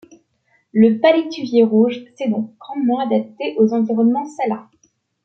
Le palétuvier rouge s’est donc grandement adapté aux environnements salins.